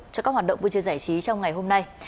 cho các hoạt động vui chơi giải trí trong ngày hôm nay